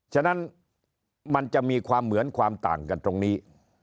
ฉะนั้นมันจะมีความเหมือนความต่างกันตรงนี้